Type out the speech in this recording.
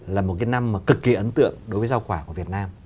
là một năm cực kỳ ấn tượng đối với rau quả của việt nam